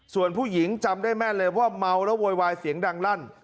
ส่วนผู้หญิงจำได้แม่นเลยว่าเมาแล้วโวยวายเสียงดังลั่น